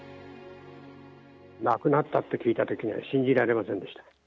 亡くなったって聞いたときには信じられませんでした。